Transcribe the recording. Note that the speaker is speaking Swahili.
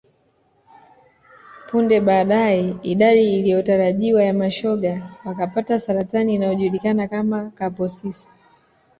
Punde baadae idadi isiyotarajiwa ya mashoga wakapata saratani inayojulikana kama Kaposis